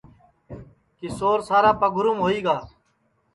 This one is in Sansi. کیشور سارا پگھروم ہوئی گا